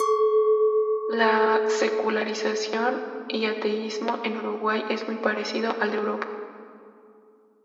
La secularización y ateísmo en Uruguay es muy parecido al de Europa.